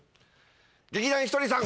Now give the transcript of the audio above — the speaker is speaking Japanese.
劇団ひとりさん！